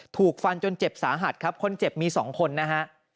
ถูกฟันจนเจ็บสาหัสครับคนเจ็บมี๒คนนะฮะ